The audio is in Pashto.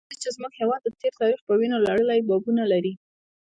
هغه ماضي چې زموږ هېواد د تېر تاریخ په وینو لړلي بابونه لري.